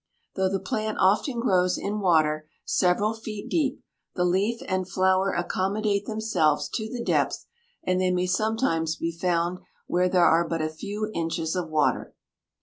Though the plant often grows in water several feet deep, the leaf and flower accommodate themselves to the depth, and they may sometimes be found where there are but a few inches of water.